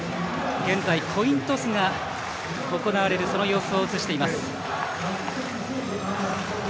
現在、コイントスが行われるその様子を映しています。